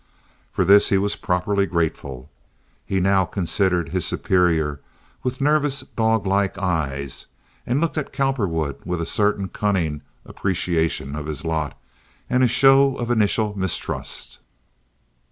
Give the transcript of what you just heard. For this he was properly grateful. He now considered his superior with nervous dog like eyes, and looked at Cowperwood with a certain cunning appreciation of his lot and a show of initial mistrust.